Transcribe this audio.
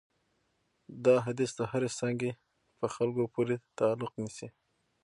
دا حدیث د هرې څانګې په خلکو پورې تعلق نیسي.